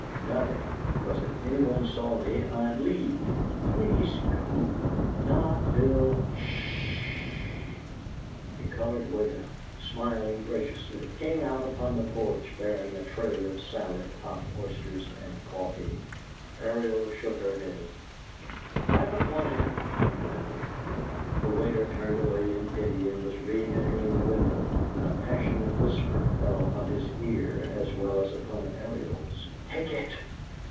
"Nothing; because if any one saw me I'd leave." "Please go." "Not till " "'SH!" A colored waiter, smiling graciously, came out upon the porch bearing a tray of salad, hot oysters, and coffee. Ariel shook her head. "I don't want any," she murmured. The waiter turned away in pity and was re entering the window, when a passionate whisper fell upon his ear as well as upon Ariel's. "TAKE IT!"